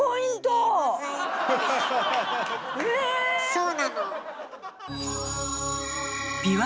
そうなの。